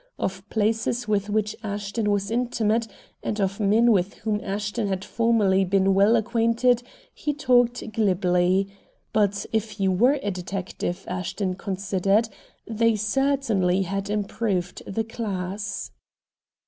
Of places with which Ashton was intimate, and of men with whom Ashton had formerly been well acquainted, he talked glibly. But, if he were a detective, Ashton considered, they certainly had improved the class.